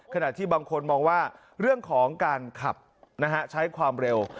ขณะที่บางคนมองว่าเรื่องของการขับใช้ความเร็ว